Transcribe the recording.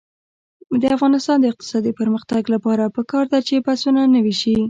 د افغانستان د اقتصادي پرمختګ لپاره پکار ده چې بسونه نوي شي.